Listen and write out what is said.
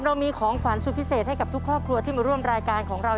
เรามีของขวัญสุดพิเศษให้กับทุกครอบครัวที่มาร่วมรายการของเรา